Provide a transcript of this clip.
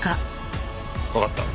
わかった。